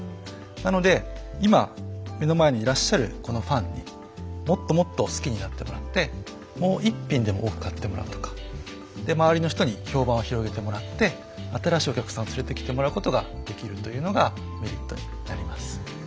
なので今目の前にいらっしゃるこのファンにもっともっと好きになってもらってもう１品でも多く買ってもらうとかで周りの人に評判を広げてもらって新しいお客さんを連れてきてもらうことができるというのがメリットになります。